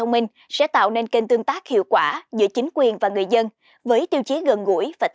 mời quý vị cùng theo dõi